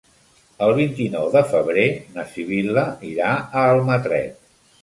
El vint-i-nou de febrer na Sibil·la irà a Almatret.